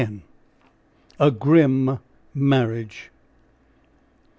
A GRIM MARRIAGE.